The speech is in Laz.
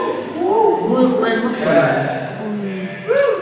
Mu iqven mu tkvala ren?